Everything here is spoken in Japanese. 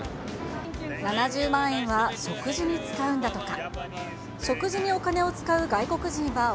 ７０万円は食事に使うんだとか。